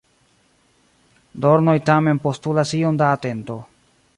Dornoj tamen postulas iom da atento.